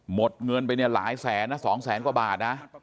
หมดเงินไปเนี่ยหลายแสนนะ๒แสนกว่าบาทนะ